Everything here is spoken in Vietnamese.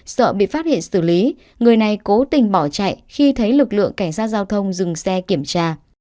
sợ bị phát hiện xử lý người này cố tình bỏ chạy khi thấy lực lượng cảnh sát giao thông dừng xe kiểm tra